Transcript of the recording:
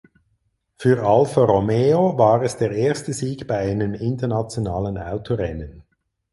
Für Alfa Romeo war es der erste Sieg bei einem internationalen Autorennen.